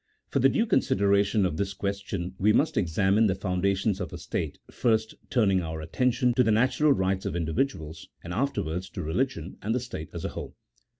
For the due consideration of this question we must examine the foundations of a state, first turning our attention to the natural rights of individuals, and afterwards to religion and the state as a whole.